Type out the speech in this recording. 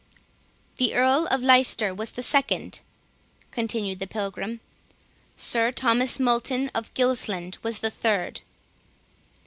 "The Earl of Leicester was the second," continued the Pilgrim; "Sir Thomas Multon of Gilsland was the third."